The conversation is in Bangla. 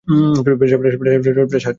Pressure, pressure, pressure, pressure!